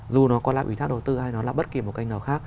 dù nó còn là quỹ thác đầu tư hay là bất kỳ một kênh nào khác